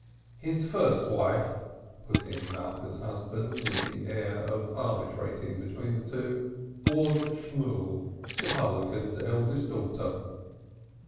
"His first wife," put in Malka's husband, with the air of arbitrating between the two, "was Shmool the publican's eldest daughter."